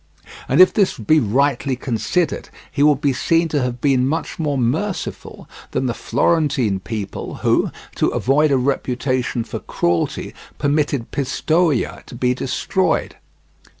And if this be rightly considered, he will be seen to have been much more merciful than the Florentine people, who, to avoid a reputation for cruelty, permitted Pistoia to be destroyed.